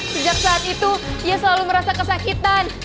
sejak saat itu ia selalu merasa kesakitan